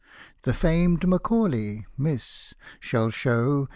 The famed Macaulay (Miss) shall show.